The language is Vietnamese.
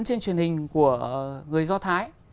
trên truyền hình của người do thái